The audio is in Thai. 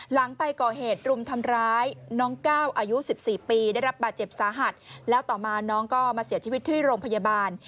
หลังไปก่อเหตุรุมทำร้ายน้องก้าวอายุ๑๔ปีได้รับบาดเจ็บสาหัสแล้วต่อมาน้องก็มาเสียชีวิตที่โรงพยาบาล